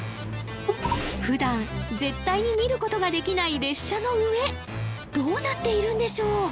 普段絶対に見ることができない列車の上どうなっているんでしょう？